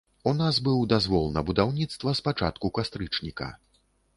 У нас быў дазвол на будаўніцтва з пачатку кастрычніка.